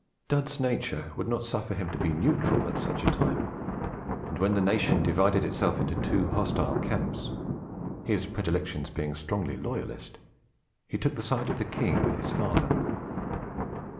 Dud's nature would not suffer him to be neutral at such a time; and when the nation divided itself into two hostile camps, his predilections being strongly loyalist, he took the side of the King with his father.